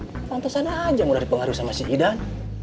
pantesan aja mau dipengaruhi sama si idan